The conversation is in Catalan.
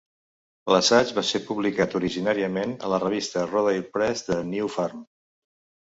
L'assaig va ser publicat originàriament a la revista de Rodale Press "The New Farm".